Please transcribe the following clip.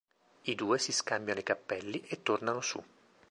I due si scambiano i cappelli e tornano su.